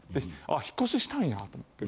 あ引っ越ししたんやと思って。